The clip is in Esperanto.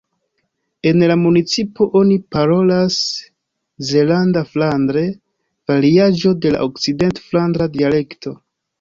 En la municipo oni parolas zelanda-flandre, variaĵo de la okcident-flandra dialekto.